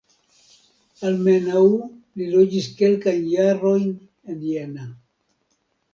Almenaŭ li loĝis kelkajn jarojn en Jena.